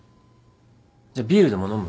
じゃあビールでも飲む？